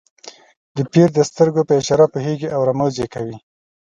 د پیر د سترګو په اشاره پوهېږي او رموز یې کوي.